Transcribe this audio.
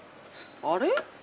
あれ？